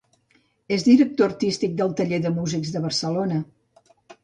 És director artístic del Taller de Músics de Barcelona.